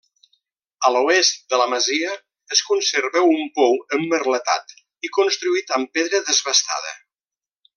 A l'oest de la masia es conserva un pou emmerletat i construït amb pedra desbastada.